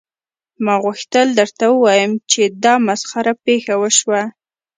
ما غوښتل درته ووایم چې دا مسخره پیښه وشوه